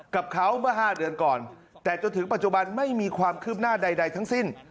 กับเขาเมื่อ๕เดือนก่อนแต่จนถึงปัจจุบันไม่มีความคืบหน้าใดทั้งสิ้น